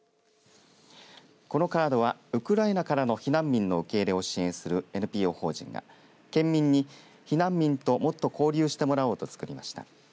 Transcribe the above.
このカードはウクライナからの避難民の受け入れを支援するＮＰＯ法人が県民に避難民ともっと交流してもらおうと作りました。